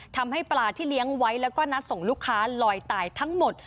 ทำให้ปลาที่เลี้ยงไว้แล้วก็นัดส่งลูกค้าลอยตายทั้งหมด